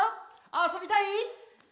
あそびたい！